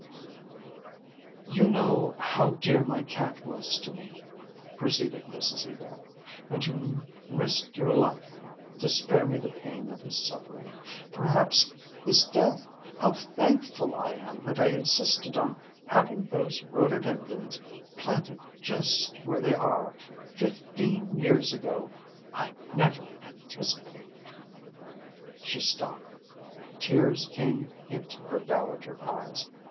"You know how dear my cat was to me," proceeded Mrs Ebag. "And you risked your life to spare me the pain of his suffering, perhaps his death. How thankful I am that I insisted on having those rhododendrons planted just where they are fifteen years ago! I never anticipated " She stopped. Tears came into her dowager eyes.